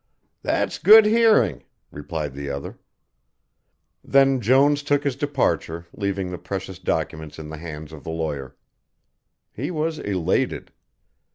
"That's good hearing," replied the other. Then Jones took his departure, leaving the precious documents in the hands of the lawyer. He was elated.